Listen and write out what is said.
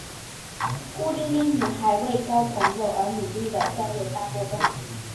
孤零零女孩为交朋友而努力的交友大作战。